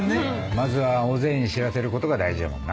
まずは大勢に知らせることが大事だもんな。